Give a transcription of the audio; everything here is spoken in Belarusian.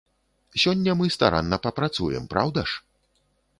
Сёння мы старанна папрацуем, праўда ж?